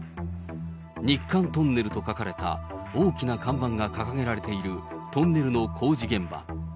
日韓トンネルと書かれた大きな看板が掲げられているトンネルの工事現場。